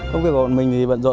công việc của mình thì bận rồi